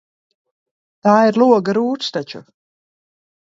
Tā ir loga rūts taču.